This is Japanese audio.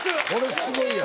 すごいやん！